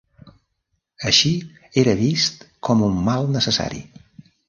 Així, era vist com un mal necessari.